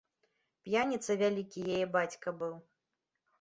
П'яніца вялікі яе бацька быў.